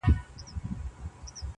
• د هجرت غوټه تړمه روانېږم_